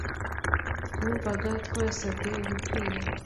twumvaga twasabwe ibikwiye.